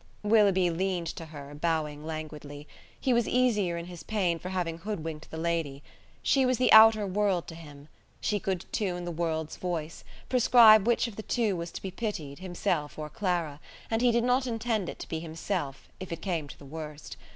Willoughby leaned to her, bowing languidly. He was easier in his pain for having hoodwinked the lady. She was the outer world to him; she could tune the world's voice; prescribe which of the two was to be pitied, himself or Clara; and he did not intend it to be himself, if it came to the worst.